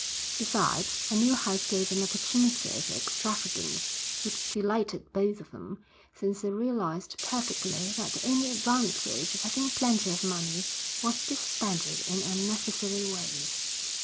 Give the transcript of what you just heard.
Besides, a new house gave an opportunity for extravagance which delighted both of them since they realised perfectly that the only advantage of having plenty of money was to spend it in unnecessary ways.